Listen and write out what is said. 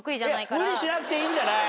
無理しなくていいんじゃない？